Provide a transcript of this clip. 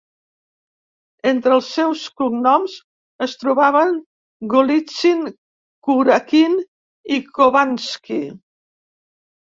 Entre els seus cognoms es trobaven Golitsin, Kurakin i Khovansky.